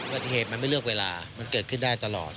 ปฏิเหตุมันไม่เลือกเวลามันเกิดขึ้นได้ตลอด